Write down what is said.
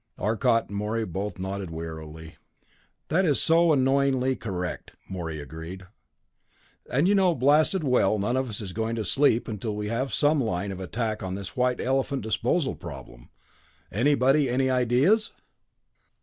Arcot and Morey both nodded wearily. "That is so annoyingly correct," Morey agreed. "And you know blasted well none of us is going to sleep until we have some line of attack on this white elephant disposal problem. Anybody any ideas?"